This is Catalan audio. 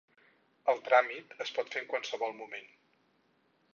El tràmit es pot fer en qualsevol moment.